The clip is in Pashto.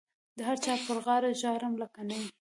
د هر چا پر غاړه ژاړم لکه نی.